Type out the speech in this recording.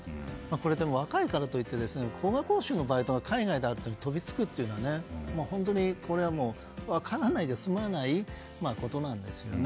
これ、若いからといって高額報酬のバイトが海外であると飛びつくというのは本当にこれは分からないでは済まないことなんですよね。